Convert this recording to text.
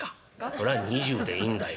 「それは２０でいいんだよ